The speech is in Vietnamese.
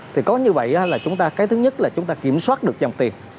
thì có như vậy là chúng ta cái thứ nhất là chúng ta kiểm soát được dòng tiền